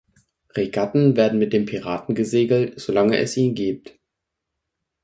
Regatten werden mit dem Piraten gesegelt, solange es ihn gibt.